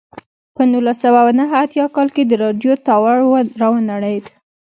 په نولس سوه نهه اتیا کال کې د راډیو ټاور را ونړېد.